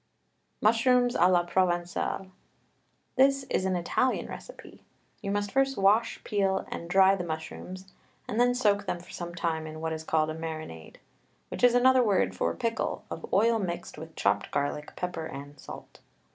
MUSHROOMS A LA PROVENCALE. This is an Italian recipe. You must first wash, peel, and dry the mushrooms, and then soak them for some time in what is called a marinade, which is another word for pickle, of oil mixed with chopped garlic, pepper, and salt.